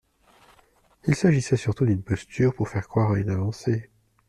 Il s’agissait surtout d’une posture pour faire croire à une avancée.